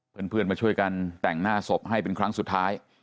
เพื่อนมาช่วยกันแต่งหน้าศพให้เป็นครั้งสุดท้าย